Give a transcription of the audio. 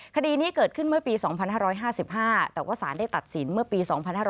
คดีนี้เกิดขึ้นเมื่อปี๒๕๕๕แต่ว่าสารได้ตัดสินเมื่อปี๒๕๕๙